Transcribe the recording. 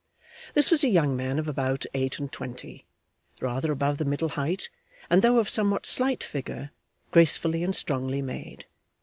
This was a young man of about eight and twenty, rather above the middle height, and though of somewhat slight figure, gracefully and strongly made.